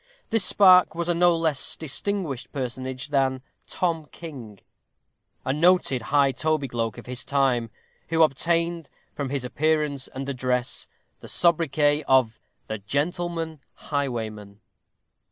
This spark was a no less distinguished personage than Tom King, a noted high tobygloak of his time, who obtained, from his appearance and address, the sobriquet of the "Gentleman Highwayman."